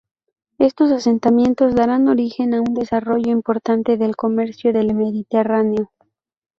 Estos asentamientos darán origen a un desarrollo importante del comercio del mediterráneo.